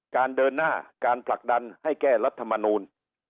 การเดินหน้าการผลักดันให้แก้รัฐมนูล